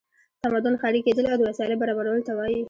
تمدن ښاري کیدل او د وسایلو برابرولو ته وایي.